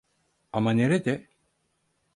Ama nerede?